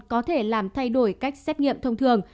có thể làm thay đổi cách xét nghiệm thông thường